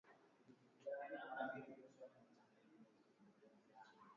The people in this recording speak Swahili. Na badala yake, wanajeshi hawa waliruhusiwa waingie nchini humo mara kwa mara